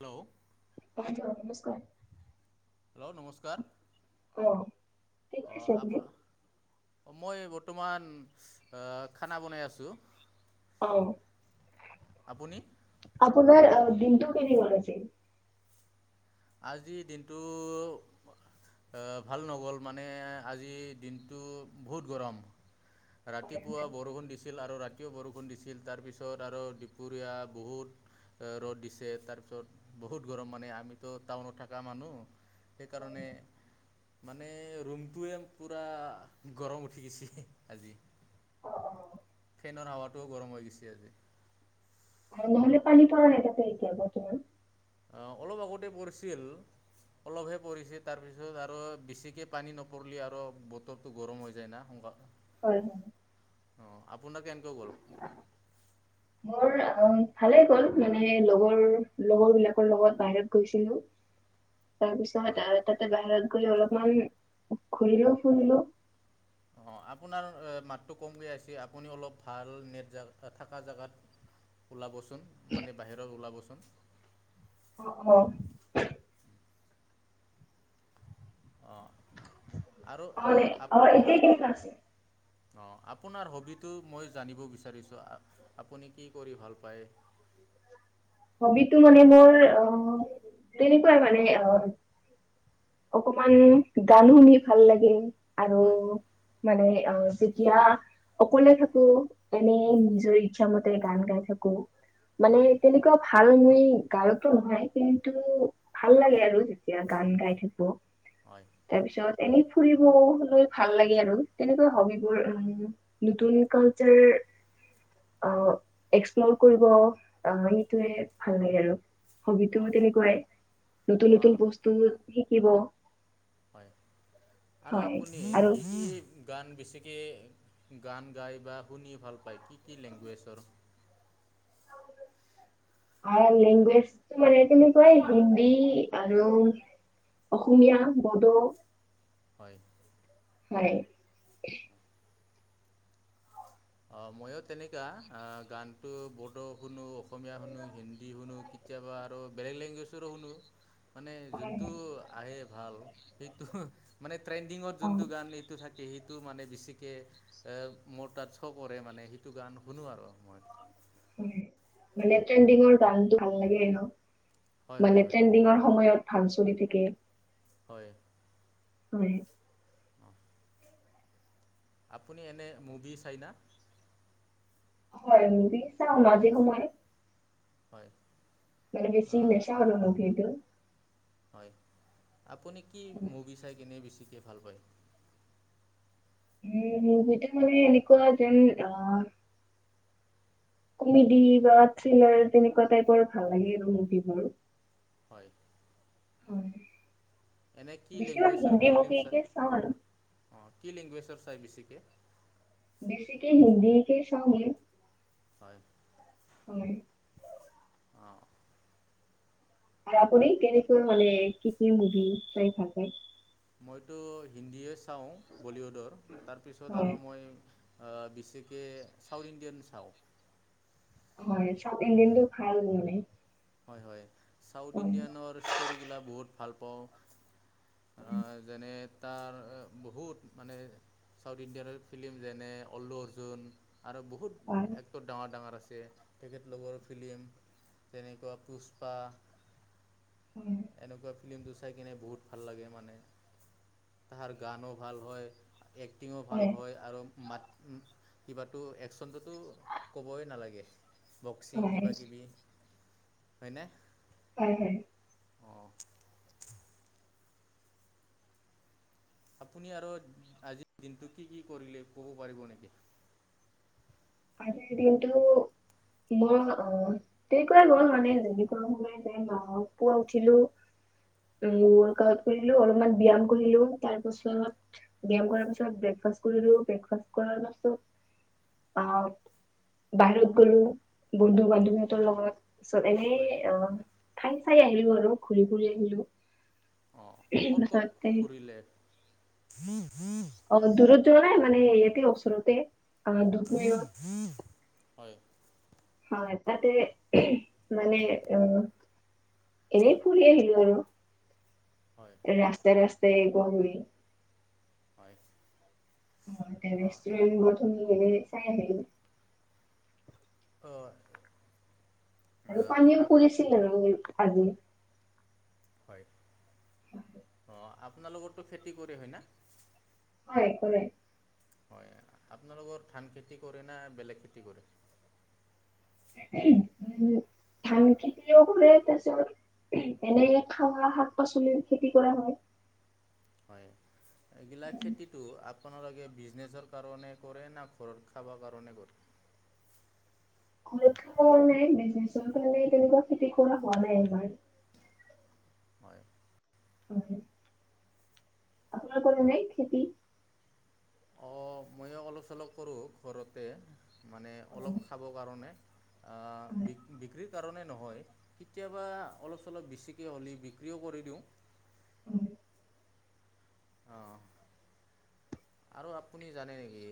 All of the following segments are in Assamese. হেল্ল'? [inaudible] নমস্কাৰ। হেল্ল' নমস্কাৰ, অ কি অ' কৰিছে আপুনি আপোনাৰ মই বৰ্তমান, আ খানা বনাই আছোঁ। অ'। আপুনি? আপোনাৰ দিনটো কেনি গ'ল আজি? আজিৰ দিনটো এ ভাল নগ'ল মানে, আজি দিনটো বহুত গৰম। হয় হয় ৰাতিপুৱা বৰষুণ দিছিল আৰু ৰাতিও বৰষুণ দিছিল, তাৰপিছত আৰু দুপৰীয়া বহুত ৰ'দ দিছে। তাৰপিছত বহুত গৰম, মানে আমি টো টাউনত থকা মানুহ, হয় সেইকাৰণে মানে ৰুমটোৱে পুৰা গৰম উঠি গৈছে আজি। অ অ ফেনৰ হাৱাটোও গৰম হৈ গৈছে আজি। আৰু নহ'লে পানী পাৰ নাই তাতে এতিয়া তোমাৰ বৰ্তমান। আ অলপ আগতে পৰিছিল। অলপহে পৰিছে তাৰপিছত আৰু বেছিকৈ পানী নপৰিলে, আৰু বতৰ টো গৰম হৈ যায় না, সোনকালে হয়। অ' আপোনাৰ কেনেকে গ'ল? [unintelligible] মোৰ অ' ভালেই গ'ল, মানে লগৰ লগৰ বিলাকৰ লগত বাহিৰত গৈছিলো। তাৰপিছত হয় আৰু তাতে বাহিৰত গৈ অলপমান, ঘূৰিলো ফুৰিলো অ' আপোনাৰ আ মাতটো কমকৈ আহিছে, আপুনি অলপ ভাল নেট জাগ, থা-থাকা জেগাত ওলাবচোন, মানে বাহিৰত ওলাবচোন। অ'। অ'। অ', নে অ', এতিয়া কেনেকুৱা আছে? অ', আপোনাৰ হবিটো মই জানিব বিচাৰিছোঁ আপুনি কি কৰি ভাল পায়? হবিটো মানে মোৰ অ', তেনেকুৱাই মানে অ' অকমান গান শুনি ভাল লাগে, আৰু হয় মানে অ', যেতিয়া অকলে থাকো এনেই নিজৰ ইচ্ছা মতে গান গাই থাকো, মানে হয় তেনেকে কুৱা ভাল মই গায়কটো নহয়, কিন্তু ভাল লাগে আৰু যেতিয়া গান গাই থাকো। হয়। তাৰ পিছত এনে ফুৰিবলৈ ভাল লাগে আৰু তেনেকুৱা হবিবোৰ। নতুন কালচাৰ এস্কপ্ল'ৰ কৰিব এইটোৱে ভাল লাগে আৰু হবিতো হয় তেনেকুৱাই, নতুন অঁ নতুন বস্তু শিকিব। হয়, আৰু হয় আপুনি আৰু কি কি গান বেছিকৈ গান গাই বা শুনি ভাল পায় কি কি লেংগুৱেজৰ? অ', লেংগুৱেজটো মানে তেনেকুৱাই হিন্দী আৰু অসমীয়া, বড়ো। হয়। হয়। ময়ো তেনেকুৱা গানটো বড়ো শুনো, অসমীয়া শুনো, হিন্দী শুনো। কেতিয়াবা আৰু বেলেগ লেংগুৱেজৰো শুনো। মানে হয় যোনটো হয়। আহে ভাল সেইটো, মানে ট্ৰেণ্ডিঙত যোনটো অ'। গান টো থাকে সেইটো মানে বেছিকৈ মোৰ তাত কৰে মানে সেইটো গান শুনো আৰু মই। হয় মানে ট্ৰেণ্ডিঙৰ গানতটো ভাল লাগে ন'? হয় হয় মানে হয় ট্ৰেণ্ডিঙৰ সময়ত ভাল চলি থাকে। হয়। হয়। অ'। আপুনি এনে মুভি চাই না? হয়, মুভি চাও মাজে সময়ে। হয়। মানে বেছি নাচাও আৰু মুভি টো। হয়, আপুনি কি মুভি চাই কেনে বেছিকে ভাল পায়? উম, মুভিটো মানে এনেকুৱা যে অ' কমেডি বা থ্ৰিলাৰ তেনেকুৱা টাইপৰ ভাল লাগে আৰু মুভি বোৰ। হয়। হয়। এনে কি বেছিভাগ লেংগুৱেজৰ হিন্দী ফিল্ম মুভিকে চাই, চাওঁ আৰু, অ', কি লেংগুৱেজৰ চাই বেছিকৈ? বেছিকে হিন্দী কে চাও [unintelligible] হয়। হয়। অ'। আৰু আপুনি কেনেকৈ মানে কি কি মুভি চাই ভাল পায়? মইতো হিন্দীয়ে চাওঁ বলীউডৰ, তাৰ পিছত হয় আৰু মই বেছিকে চাউথ ইণ্ডিয়ান চাওঁ। হয়, চাউথ ইণ্ডিয়ানটো ভাল বুলি হয় হয়, চাউথ ইণ্ডিয়ানৰ ষ্টৰিবিলাক বহুত ভাল পাওঁ। হয়। যেনে তাৰ বহুত মানে ছাউথ ইণ্ডিয়ানৰ ফিল্ম যেনে অল্লু অৰ্জুন আৰু বহুত হয়। বহুত ডাঙৰ ডাঙৰ আছে তেখেত লোকৰ ফিল্ম তেনেকুৱা পুষ্পা হয়। এনেকুৱা ফিল্মটো চাই কিনে বহুত ভাল লাগে মানে। তাহাৰ গানো ভাল হয় এক্টিঙো ভাল হয় আৰু মাত উম কিবাটো অ্যাকশনতোটো ক'বই নালাগে। বক্সিং হয় কিবা কিবি হয়নে? হয় হয়। অ' আপুনি আৰু আজিৰ দিনটো কি কি কৰিলে ক'ব পাৰিব নেকি? আজিৰ দিনটো‌ মই তেনেকুৱাই গ'ল মানে যেনেকুৱা সদায় যায় মাহক পোৱা উঠিলোঁ। উম ৱৰ্কআউট কৰিলোঁ অলপমান ব্যায়াম কৰিলোঁ তাৰপাছত ব্যায়াম কৰাৰ পিছত ব্ৰেকফাষ্টট কৰিলোঁ ব্ৰেকফাষ্ট কৰাৰ পাছত অ' বাহিৰত গ'লো বন্ধু-বান্ধৱীহঁতৰ লগত। পিছত এনেই হয় অ' খাই চাই আহিলোঁ আৰু ঘূৰি ফুৰি আহিলোঁ। অ', ক'ত ক'ত ফুৰিলে? অ' দূৰত যোৱা নাই মানে এই ইয়াতে ওচৰতে। অ দুধনৈত হয়। হয় তাতে [unintelligible] মানে অ' এনেই ফুৰি আহিলো আৰু। হয়। ৰাস্তাই ৰাস্তাই আহিব ঘূৰি। হয়। এয়া অঁ ৰেষ্টুৰেণ্টবোৰ [unintelligible] পেলাই চাই আহিলো। হয়। আৰু পানীয়েও পৰিছিল আৰু আজি। হয়, অ' আপোনালোকৰটো খেতি কৰে হয় না? হয় কৰে। হয়, আপোনালোকৰ ধান খেতি কৰে নে, বেলেগ খেতি কৰে? [unintelligible] ধান খেতিও কৰে তাৰপিছত এনে খাৱা শাক -পাচলিৰ খেতি কৰা হয়। হয়, এইগিলা হয় খেতিটো আপ আপোনালোকে বিজনেছৰ কাৰণে কৰে না, ঘৰত খাবৰ কাৰণে কৰে? ঘৰত খোৱা নাই বিজনেছৰ কাৰণে তেনেকুৱা খেতি কৰা হোৱা নাই এইবাৰ। হয়। হয়। আপোনাৰ কৰে নে খেতি? অ', ময়ো অলপ চলপ কৰোঁ ঘৰতে মানে অলপ হয়, খাব কাৰণে। আ বি-বিক্ৰীত কাৰণে নহয়। কেতিয়াবা অলপ -চলপ বেছিকে হলি বিক্ৰীও কৰি দিওঁ। হয় [inaudible] অহ', আৰু আপুনি জানে নেকি?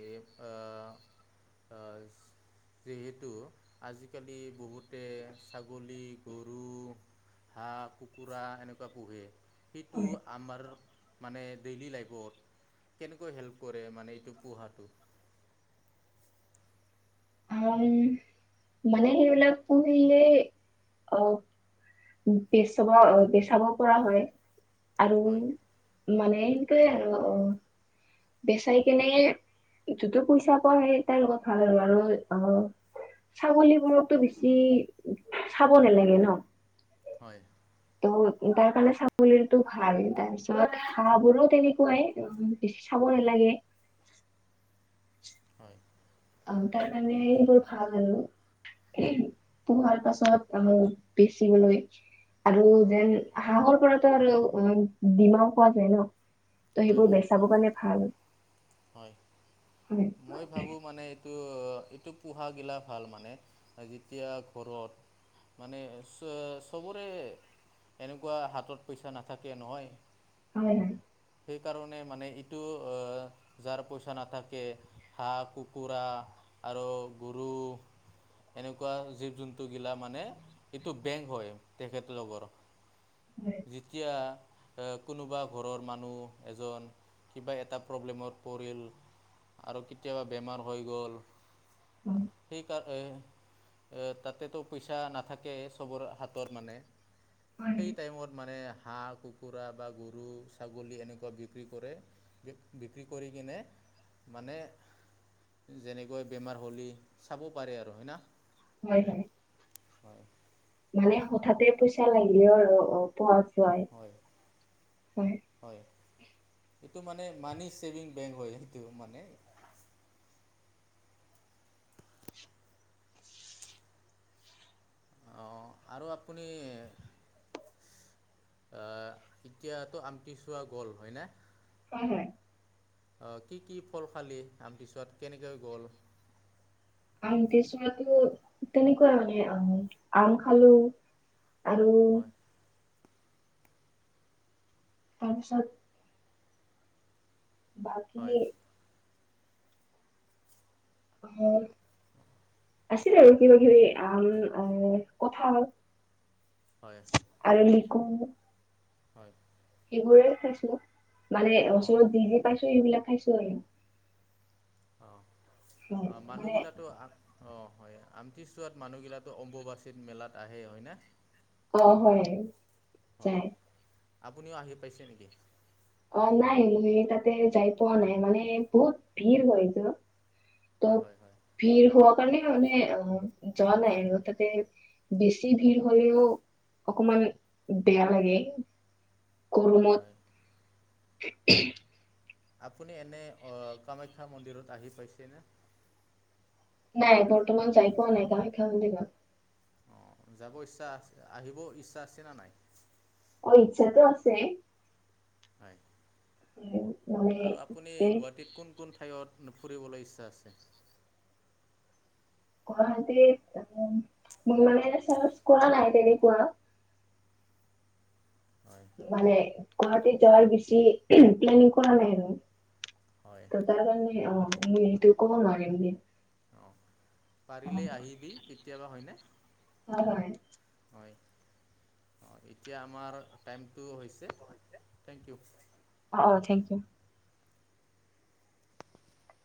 অ' অচ, যিহেতু, আজিকালি বহুত তে, ছাগলী, গৰু, হাঁহ -কুকুৰা এনেকুৱা পোহে কিন্তু হয়। আমাৰ মানে ডেইলী লাইফত তো হেল্প কৰে মানে এইটো পোহাটো মই, মানে সেইবিলাক শুনিলেই, অ, বেচবা বেচাব পৰা হয় আৰু, হয় মানে এনকে আৰু অ, বেচাই কেনে যতে পইচা পাওঁ সেই তাইৰ লগত ভাল আৰু অ ছাগলীবোৰকটো বেছি, চাব নেলাগে ন? হয় [unintelligible] তাৰ কাৰণে ছাগলীতো [unintelligible] তাৰ পিছত হাঁহ বোৰো তেনেকুৱাই [unintelligible] বেছি চাব নেলাগে হয় অ তাৰ কাৰনে এইবোৰ ভাল আৰু [unintelligible] পাছত আহো [unintelligible] আৰু হয় যেন হাঁহৰ পৰাতো আৰু [unintelligible] দিমাও খোৱা যায় ন ত হয় সেইবোৰ হয় বেচাব কাৰনে ভাল হয় হয় মই ভাবোঁ মানে এইটো এইটো পোহাগিলা ভাল মানে আ যেতিয়া ঘৰত মানে চ চবৰে এনেকুৱা হাতত পইচা নাথাকে নহয় হয় হয় সেইকাৰণে মানে ইটো অ যাৰ পইচা নাথাকে হাঁহ কুকৰা আৰ গৰু এনেকুৱা জীৱ জন্তুগিলা মানে এইটো বেংক হয় তেখেত লগৰ হয় যেতিয়া এ কোনোবা ঘৰত মানুহ এজন কিবা এটা প্ৰব্লেমত পৰিল আৰু কেতিয়াবা বেমাৰ হৈ গল আ সেইকাৰ এ এ তাতেতো পইচা নাথাকে চবৰ হাতত মানে হয় সেই টাইমত মানে হাঁহ কুকুৰা বা গৰু ছাগলী এনেকুৱা বিক্ৰী কৰে বি বিক্ৰী কৰি কিনে মানে যেনেকৈ বেমাৰ হ'লী চাব পাৰে আৰু হয়না? হয় হয় হয় মানে হঠাতে পইচা লাগিলে আৰু অ পৰ হয় হয় এইটো মানে মানি ছেভিং বেংক হয় সেইটো মানে অঁ আৰু আপুনি আ এতিয়াতো আমটি চোৱা গল হয়নে? হয় হয় অ', কি-কি ফল খালি, আমতি পিছত কেনেকৈ গ'ল? [unintelligible] চোৱাটো তেনেকুৱা মানে [unintelligible] আম খালোঁ। আৰু হয় তাৰপিছত বাকী হয় [unintelligible] আছিল আৰু কিবা-কিবি আম আৰু কঠাল। হয়। আৰু লিকু। হয়। সেইবোৰে খাইছোঁ, মানে অঁ ওচৰত যি-যি পাইছোঁ সেইবিলাক খাইছোঁ আৰু। অ', হয় অ', মানে মানুহগিলাটো আ অ', হয় আমটিচোৱাত মানুহগিলাটো অম্বুবাচীত মেলাত আহেই হয় না? অ', হয়, হয় যাই। আপুনিও আহি পাইছে নেকি? অ', নাই, তাতে যাই পোৱা নাই, মানে বহুত ভিৰ হয়, [unintelligible] ত হয়, হয়, হয়। ভিৰ হোৱাৰ কাৰণে, মানে অ', যোৱা নাই আৰু তাতে বেছি ভিৰ হ'লেও অকমান বেয়া লাগে। গৰমত। হয় [inaudible] আপুনি এনে অ', কামাখ্যা মন্দিৰত আহি পাইছেনে? নাই, বৰ্তমান যাই পোৱা নাই কামাখ্যা মন্দিৰত। অ', যাব ইচ্ছা, আহিব ইচ্ছা আছে নে নাই? অ', ইচ্ছাতো আছে। হয়। [unintelligible] আৰু আপুনি গুৱাহাটীত কোন-কোন ঠাইত ফুৰিবলৈ ইচ্ছা আছে? গুৱাহাটীত অ', মোৰ মানে [unintelligible] কোৱা নাই তেনেকুৱা। হয়। মানে গুৱাহাটীত যোৱাৰ বেছি প্লানিং কৰা নাই আৰু। হয় ত' তাৰ কাৰণে অ', সেইটো ক'ব নোৱাৰিম। অ', অ পাৰিলে আহিবি, কেতিয়াবা হয়নে? হয়। হয়, অ', এতিয়া আমাৰ টাইমটো হৈছে থেংক ইউ। অ', অ', থেংক ইউ। [inaudible]